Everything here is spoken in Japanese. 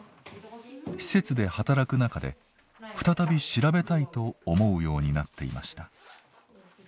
施設で働く中で再び調べたいと思うようになっていました。